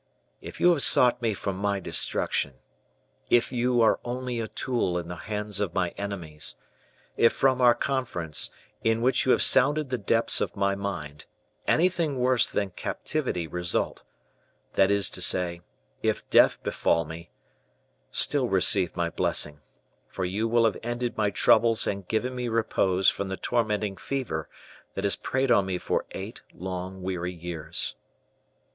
If you have sought me for my destruction; if you are only a tool in the hands of my enemies; if from our conference, in which you have sounded the depths of my mind, anything worse than captivity result, that is to say, if death befall me, still receive my blessing, for you will have ended my troubles and given me repose from the tormenting fever that has preyed on me for eight long, weary years."